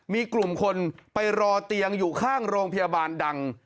มีกลุ่มคนไปรอเตียงอยู่ข้างโรงพยาบาลดัง